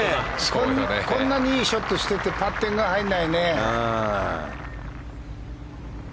こんなにいいショットをしていてパッティングが入らないね。